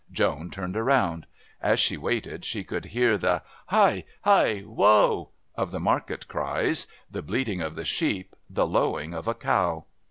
Joan turned around. As she waited she could hear the "Hie!...Hie! Woah!" of the market cries, the bleating of the sheep, the lowing of a cow.